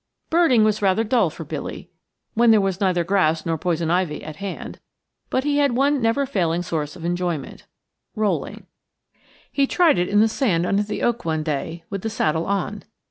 Birding was rather dull for Billy when there was neither grass nor poison ivy at hand, but he had one never failing source of enjoyment rolling. He tried it in the sand under the oak, one day, with the saddle on.